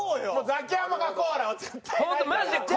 ザキヤマがコアラは絶対ないから。